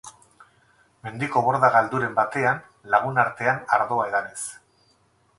Mendiko borda galduren batean lagunartean ardoa edanez.